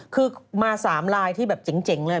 คือมา๓ลายที่แบบเจ๋งเลย